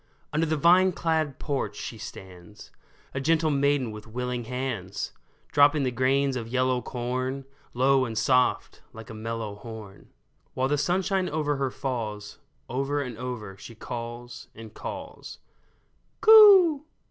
Under the vine clad porch she stands, A gentle maiden with willing hands, Dropping the grains of yellow corn. Low and soft, like a mellow horn, While the sunshine over her falls, Over and over she calls and calls '' Coo